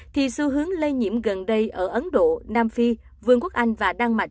thì xu hướng lây nhiễm gần đây ở ấn độ nam phi vương quốc anh và đan mạch